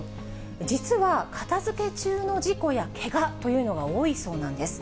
実は片づけ中の事故やけがというのが多いそうなんです。